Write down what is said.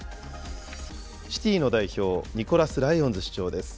シティの代表、ニコラス・ライオンズ市長です。